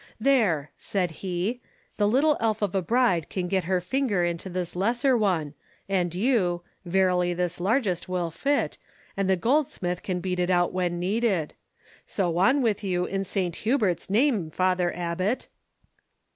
"There," said he, "the little elf of a bride can get her finger into this lesser one and you—verily this largest will fit, and the goldsmith can beat it out when needed. So on with you in St. Hubert's name, Father Abbot!"